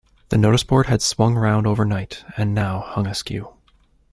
The noticeboard had swung round overnight, and now hung askew.